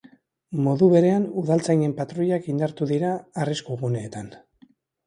Modu berean, udaltzainen patruilak indartuko dira arrisku guneetan.